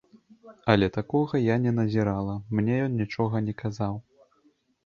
Але такога я не назірала, мне ён нічога не казаў.